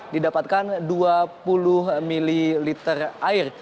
didapatkan dua puluh ml air